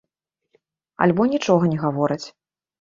Альбо нічога не гавораць.